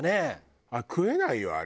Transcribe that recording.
食えないよあれ。